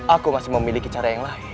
aku masih memiliki cara yang lain